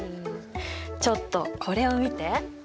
ちょっとこれを見て。